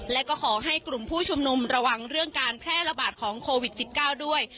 และก็ขอให้กลุ่มผู้ชุมนุมระวังเรื่องการแพร่ระบาดของโควิด๑๙ด้วย